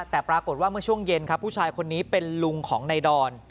แต่ปรากฏว่าเมื่อช่วงเย็นครับผู้ชายคนนี้เป็นลุงของนายดอน